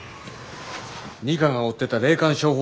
二課が追ってた霊感商法